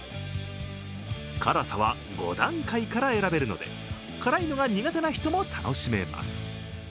辛さは５段階から選べるので辛いのが苦手な人も楽しめます。